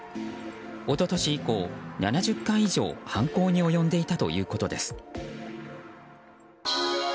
一昨年以降、７０回以上犯行に及んでいたということです。